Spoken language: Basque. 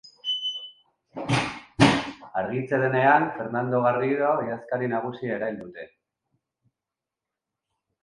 Argitzen denean, Fernando Garrido idazkari nagusia erail dute.